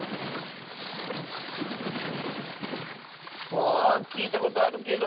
あきいたことあるけど。